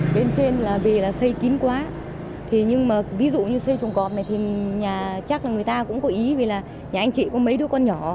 bên trên là vì là xây kín quá nhưng mà ví dụ như xây chuồng cọp này thì nhà chắc là người ta cũng có ý vì là nhà anh chị có mấy đứa con nhỏ